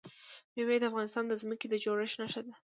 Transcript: مېوې د افغانستان د ځمکې د جوړښت نښه ده.